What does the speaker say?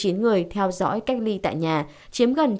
người theo dõi cách ly tại nhà chiếm gần chín mươi chín